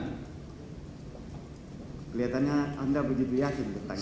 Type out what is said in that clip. kelihatannya anda begitu yakin tentang itu